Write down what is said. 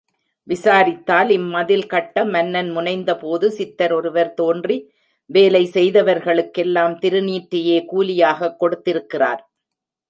விசாரித்தால் இம்மதில் கட்ட மன்னன் முனைந்த போது, சித்தர் ஒருவர் தோன்றி வேலை செய்தவர்களுக்கெல்லாம் திருநீற்றையே கூலியாகக் கொடுத்திருக்கிறார்.